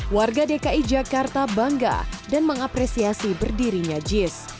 warga dki jakarta bangga dan mengapresiasi berdirinya jis